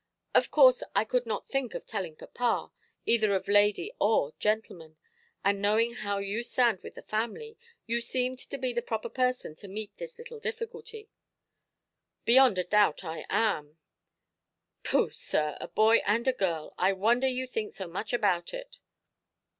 Of course, I could not think of telling papa, either of lady or gentleman; and knowing how you stand with the family, you seemed to me the proper person to meet this little difficulty". "Beyond a doubt, I am". "Pooh, sir, a boy and a girl. I wonder you think so much about it.